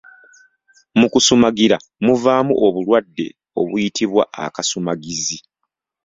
Mu kusumagira muvaamu obulwadde obuyitibwa Akasumagizi.